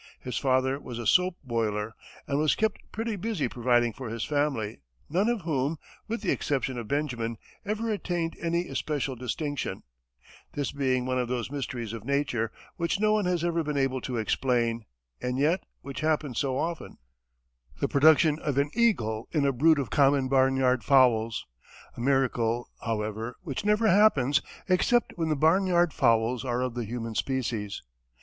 His father was a soap boiler, and was kept pretty busy providing for his family, none of whom, with the exception of Benjamin, ever attained any especial distinction; this being one of those mysteries of nature, which no one has ever been able to explain, and yet which happens so often the production of an eagle in a brood of common barnyard fowls a miracle, however, which never happens except when the barnyard fowls are of the human species.